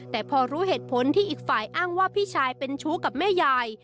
แต่พอรู้เหตุผลที่อีกฝ่ายอ้างว่าพี่ชายเป็นชู้กับแม่ยาย